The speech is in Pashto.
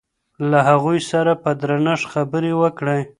له هغوی سره په درنښت خبرې وکړئ.